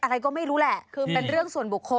อะไรก็ไม่รู้แหละคือเป็นเรื่องส่วนบุคคล